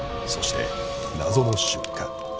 そして謎の出火